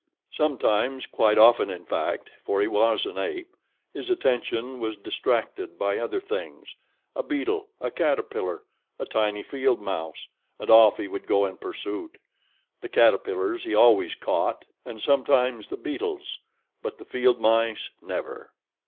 Sometimes, quite often in fact, for he was an ape, his attention was distracted by other things, a beetle, a caterpillar, a tiny field mouse, and off he would go in pursuit; the caterpillars he always caught, and sometimes the beetles; but the field mice, never.